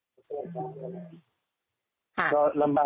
คือว่าคุณภ่วงคุยร่องเมียอะไร